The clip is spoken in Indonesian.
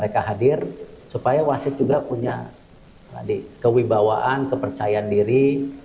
kewibawaan kepercayaan diri